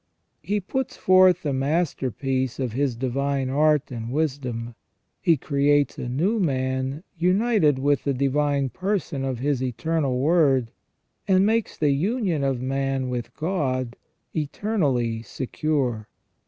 He puts forth the masterpiece of His divine art and wisdom : He creates a new man united with the divine person of His Eternal Word, and makes the union of man with God eter nally secure.